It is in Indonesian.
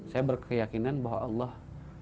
saya berkeyakinan bahwa allah